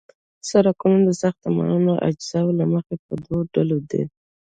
سرکونه د ساختماني اجزاوو له مخې په دوه ډلو دي